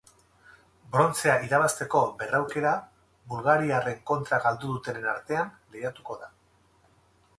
Brontzea irabazteko berraukera bulgariarren kontra galdu dutenen artean lehiatuko da.